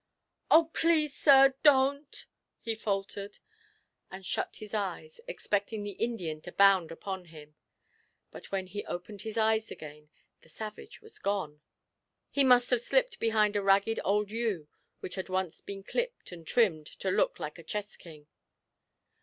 'Oh, please, sir, don't!' he faltered, and shut his eyes, expecting the Indian to bound upon him. But when he opened his eyes again, the savage was gone! He must have slipped behind a ragged old yew which had once been clipped and trimmed to look like a chess king.